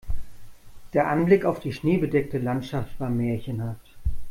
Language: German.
Der Anblick auf die schneebedeckte Landschaft war märchenhaft.